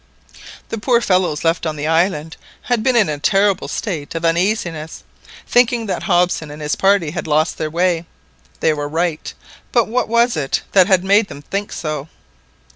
The poor fellows left on the island had been in a terrible state of uneasiness, thinking that Hobson and his party had lost their way. They were right, but what was it that had made them think so?